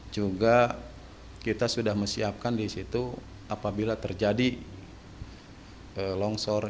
juga kita sudah siapkan disitu apabila terjadi longsor